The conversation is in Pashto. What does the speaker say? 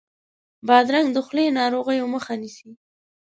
بادرنګ د خولې ناروغیو مخه نیسي.